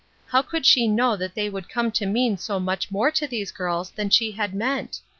How could she know that they would come to mean so much more to these girls than she had meant ?